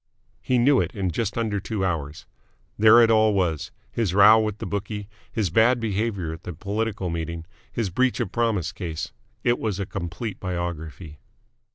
He knew it in just under two hours. There it all was his row with the bookie, his bad behaviour at the political meeting, his breach of promise case. It was a complete biography.